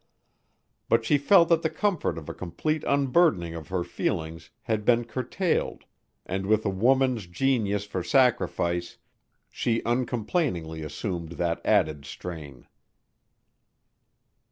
But she felt that the comfort of a complete unburdening of her feelings had been curtailed and with a woman's genius for sacrifice she uncomplainingly assumed that added strain.